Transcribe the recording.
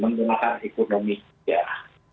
menggunakan ekonomi daerah